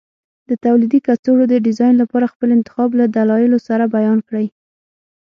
د تولیدي کڅوړو د ډیزاین لپاره خپل انتخاب له دلایلو سره بیان کړئ.